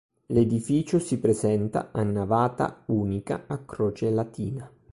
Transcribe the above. L'edificio si presenta a navata unica a croce latina.